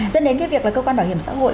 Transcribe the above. dẫn đến cái việc là cơ quan bảo hiểm xã hội